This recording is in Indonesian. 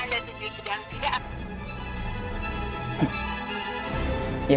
nomor yang anda setuju sedang tidak